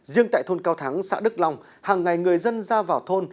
riêng tại thôn cao thắng xã đức long hàng ngày người dân ra vào thôn